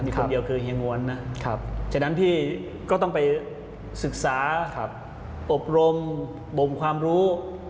คนเดียวคือเฮียงวนนะฉะนั้นพี่ก็ต้องไปศึกษาอบรมบมความรู้